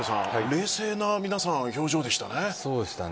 冷静な皆さん表情でしたね。